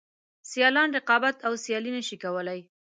سیالان رقابت او سیالي نشي کولای.